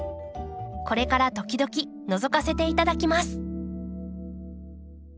これから時々のぞかせていただきます。